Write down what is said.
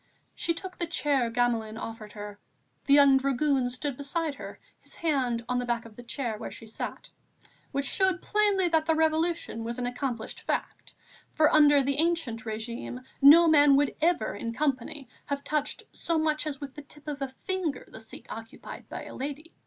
She took the chair Gamelin offered her. The young dragoon stood beside her, his hand on the back of the chair on which she sat. Which showed plainly that the Revolution was an accomplished fact, for under the ancien régime, no man would ever, in company, have touched so much as with the tip of a finger, the seat occupied by a lady.